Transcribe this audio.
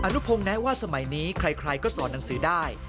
นุพงศ์แนะว่าสมัยนี้ใครก็สอนหนังสือได้